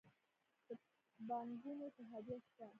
د بانکونو اتحادیه شته؟